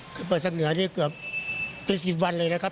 ภารกิจเปิดทางเหนือเกือบเป็น๑๐วันเลยนะครับ